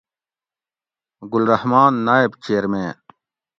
گل رحمان نائب چئیرمین